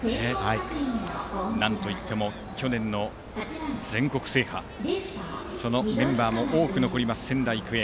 なんといっても去年の全国制覇そのメンバーも多く残ります仙台育英。